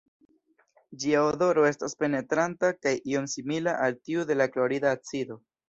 Ĝia odoro estas penetranta kaj iom simila al tiu de la klorida acido.